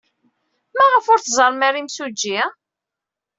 Maɣef ur tẓerrem ara imsujji?